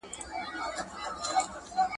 ټول به خپل وي اولسونه مخ به تور وي د پردیو